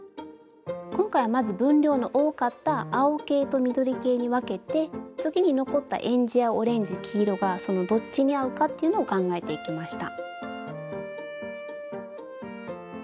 今回はまず分量の多かった青系と緑系に分けて次に残ったえんじやオレンジ黄色がそのどっちに合うかっていうのを考えていきました。